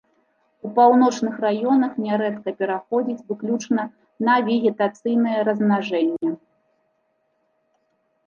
У паўночных раёнах нярэдка пераходзіць выключна на вегетацыйнае размнажэнне.